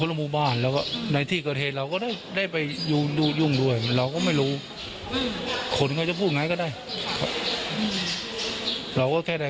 เราไม่ได้อยู่ในที่เกิดเหตุแล้วเราก็ไม่รู้ความจริงมันเป็นไง